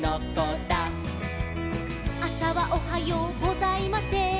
「あさはおはようございません」